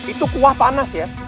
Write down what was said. itu kuah panas ya